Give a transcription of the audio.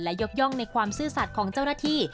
และยกย่องในความซื่อสัตว์ของเจ้าหน้าที่